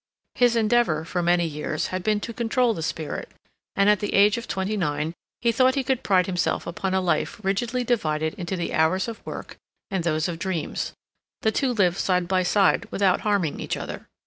His endeavor, for many years, had been to control the spirit, and at the age of twenty nine he thought he could pride himself upon a life rigidly divided into the hours of work and those of dreams; the two lived side by side without harming each other.